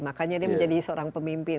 makanya dia menjadi seorang pemimpin